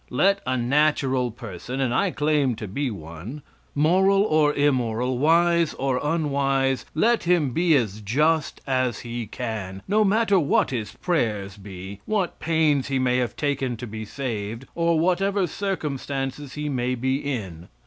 Let a natural person and I claim to be one moral or immoral, wise or unwise; let him be as just as he can, no matter what his prayers may be, what pains he may have taken to be saved, or whatever circumstances he may be in.